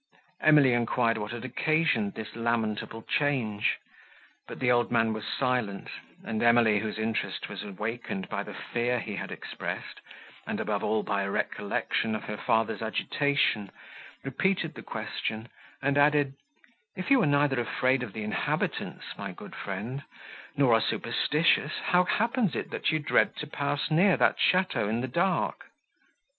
Emily enquired what had occasioned this lamentable change; but the old man was silent, and Emily, whose interest was awakened by the fear he had expressed, and above all by a recollection of her father's agitation, repeated the question, and added, "If you are neither afraid of the inhabitants, my good friend, nor are superstitious, how happens it, that you dread to pass near that château in the dark?"